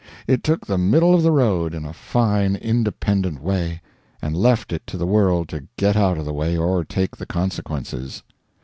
It took the middle of the road in a fine independent way, and left it to the world to get out of the way or take the consequences.